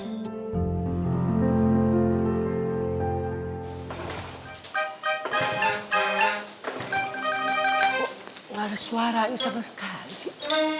kok gak ada suara ini sama sekali sih